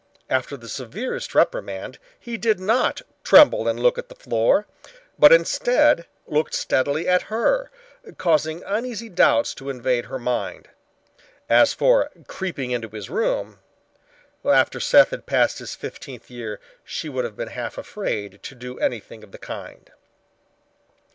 After the severest reprimand, he did not tremble and look at the floor but instead looked steadily at her, causing uneasy doubts to invade her mind. As for creeping into his room—after Seth had passed his fifteenth year, she would have been half afraid to do anything of the kind.